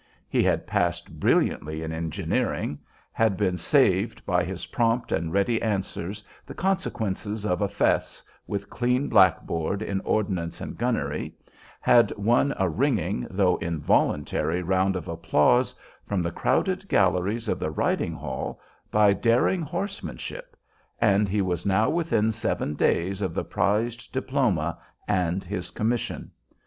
He had passed brilliantly in engineering; had been saved by his prompt and ready answers the consequences of a "fess" with clean black board in ordnance and gunnery; had won a ringing, though involuntary, round of applause from the crowded galleries of the riding hall by daring horsemanship, and he was now within seven days of the prized diploma and his commission.